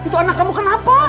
itu anak kamu kenapa